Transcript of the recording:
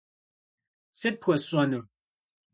- Сыт пхуэсщӏэнур?